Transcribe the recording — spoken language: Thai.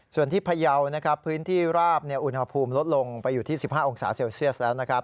ส่วนที่พยาวนะครับพื้นที่ราบอุณหภูมิลดลงไปอยู่ที่๑๕องศาเซลเซียสแล้วนะครับ